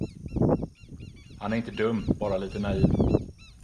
Han är inte dum, bara lite naiv.